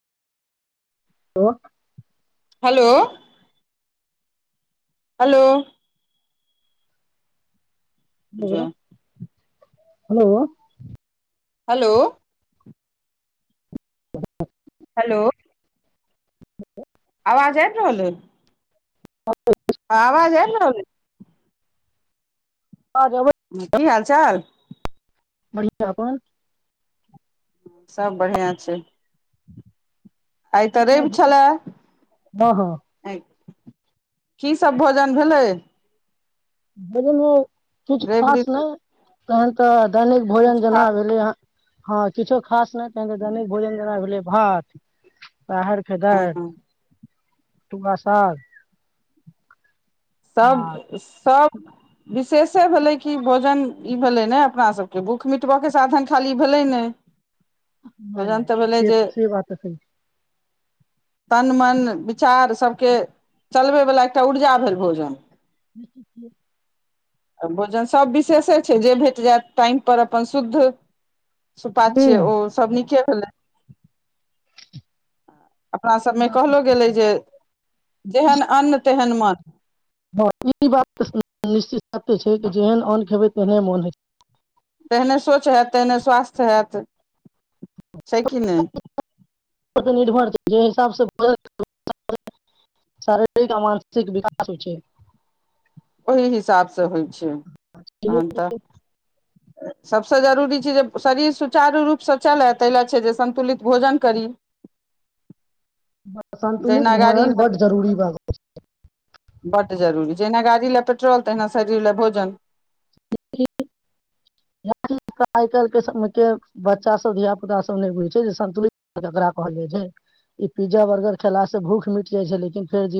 हो hello hello ज hello hello hello hello [inaudible] आवाज आबि रहल हइ [unintelligible] आवाज अएब रहल अई आर की हाल चाल बढिया अपन सब बढ़िआँ छै [inaudible] आइत रएब हँ छले हँ की सब भोजन भेलै भोजन में किछ रवि खास दिन नइ तहन तऽ दैनिक भोजन किछु जेना खास भेलै ह हँ किछो खास ने त तऽ दैनिक भोजन जेना भेलै भात राहर के दार हँ तुंगा साग सब आ सब विशेषे भेलै कि भोजन ई भेलै ने अपना सबके भूख मिटब के साधन खाली भेलै नइ नई से से बात त सही छैय तन मन विचार सभके चलबय वला एकटा ऊर्जा भेलय भोजन। [unintelligible] आ भोजन सभ विशेषे छैय जे भेट जायत टाइम पर अपन शुद्ध सुपाच्य हूं ओ सब नीके भेलै। अपना ई सबमे बात तऽ कहलो सही गेलै छै जे जेहन अन्न तेहन मन हँ ई बात निश्चिताते छैय कि जेहने अन्न खेबै तेहने मोन होेत तेहने सोच हैत तेहने स्वास्थ हैत छैय कि नइ निर्भर छैय जे हिसाबसँ शारीरिक आ मानसिक विकास हो छैय। ओहि हिसाब स होइ छैय तहन तऽ सभसे जरूरी छैय जे शरीर सुचारू रूप से चलय ताहि ल छैय जे संन्तुलित भोजन करी [inaudible] संन्तुलित जहिना गाड़ी भोजन बड्ड जरूरी भ् गेल छैय। बड जरूरी जहिना गाड़ी लए पेट्रोल तहिना शरीर लए भोजन। [inaudible] आई काल् के समय के बच्चा सब धिया पुता सब ने बुझय छैय जे संतुलित केकरा कहल? ईजे ई पिज्जा बर्गर खेलास से भूख मिट जाइ छैय लेकिन फेर